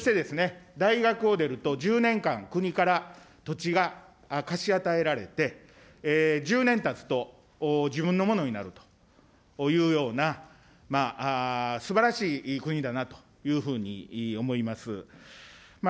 そしてですね、大学を出ると１０年間国から土地が貸し与えられて、１０年たつと自分のものになるというような、すばらしい国だなというふうに思います。